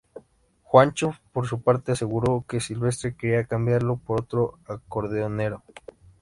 Juancho por su parte aseguró que Silvestre quería cambiarlo por otro acordeonero.